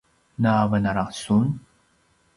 na venala sun?